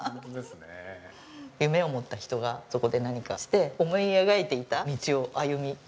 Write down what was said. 夢を持った人がそこで何かして思い描いていた道を歩み始めてる。